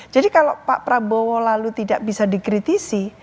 jadi kalau pak prabowo lalu tidak bisa dikritisi